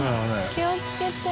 気をつけて！